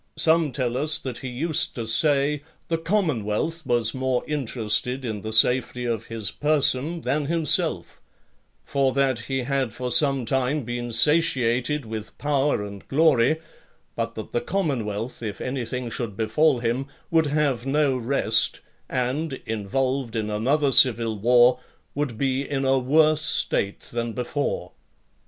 Some tell us that he used to say, the commonwealth was more interested in the safety of his person than himself: for that he had for some time been satiated with power and glory; but that the commonwealth, if any thing should befall him, would have no rest, and, involved in another civil war, would be in a worse state than before.